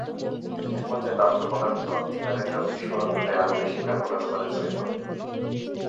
একপর্যায়ে দাহ্যপদার্থ থিনারের ড্রামে বিস্ফোরণ ঘটে আগুনের শিখা গোটা দোকানে ছড়িয়ে পড়ে।